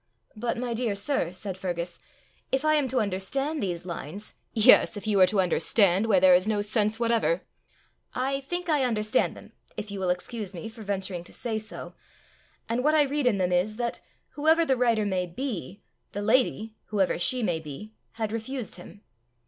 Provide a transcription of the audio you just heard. "But, my dear sir," said Fergus, "if I am to understand these lines " "Yes! if you are to understand where there is no sense whatever!" "I think I understand them if you will excuse me for venturing to say so; and what I read in them is, that, whoever the writer may be, the lady, whoever she may be, had refused him."